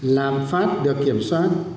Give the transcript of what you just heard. làm phát được kiểm soát